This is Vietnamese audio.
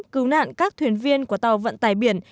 cứu nạn các thuyền viên của tàu vận tải biển